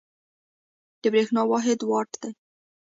د برېښنا واحد وات دی.